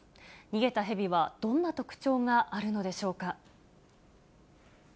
逃げたヘビはどんな特徴があるのでしょうか。